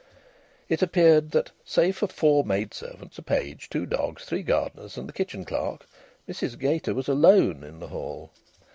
It appeared that save for four maidservants, a page, two dogs, three gardeners, and the kitchen clerk, Mrs Gater was alone in the Hall.